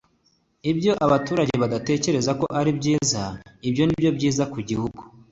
Nta gitekerezo gikomeye mfite kuri iki kibazo bityo ibyo benshi batekereza ko ari byiza ni byiza kuri njye